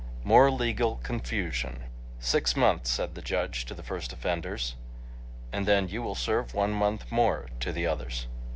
More legal confusion! "Six months," said the judge to the first offenders, "and then you will serve one month more," to the others.